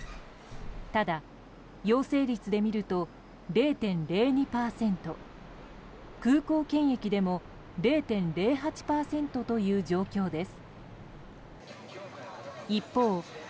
ただ陽性率でみると０．０２％空港検疫でも０．０８％という状況です。